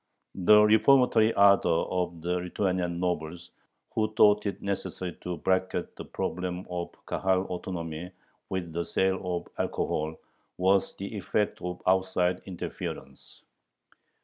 The "reformatory" ardor of the Lithuanian nobles, who thought it necessary to bracket the problem of Kahal autonomy with the sale of alcohol, was the effect of outside interference.